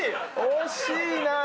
惜しいなぁ。